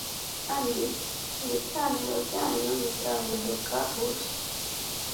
kandi ibicaniro byanyu bizahinduka ubusa